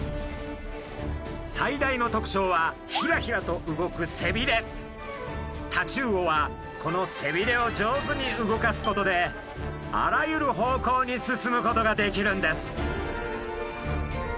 最大の特徴はヒラヒラと動くタチウオはこの背びれを上手に動かすことであらゆる方向に進むことができるんです。